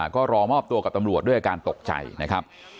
ก็รอมอบตัวกับตำรวจด้วยอาการตกใจนะครับ